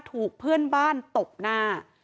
ถูกเพื่อนบ้านตบหน้า